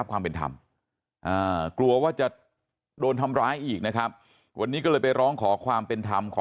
กำลังออก